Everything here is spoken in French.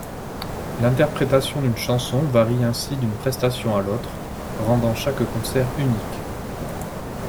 L'interprétation d'une chanson varie ainsi d'une prestation à l'autre, rendant chaque concert unique.